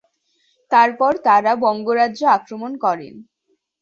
তারপর তাঁরা বঙ্গ রাজ্য আক্রমণ করেন।